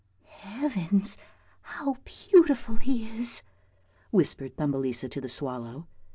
" Heavens, how beautiful he is," whispered Thumbelisa to the swallow.